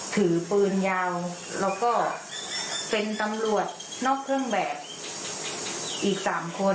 ถือปืนยาวแล้วก็เป็นตำรวจนอกเครื่องแบบอีก๓คน